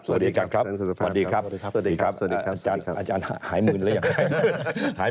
สวัสดีครับอาจารย์ครับสวัสดีครับอาจารย์หายมืนแล้วยัง